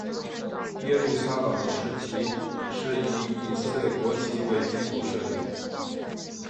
耶路撒冷市旗是以以色列国旗为基础设计。